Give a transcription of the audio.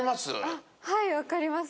はい分かります。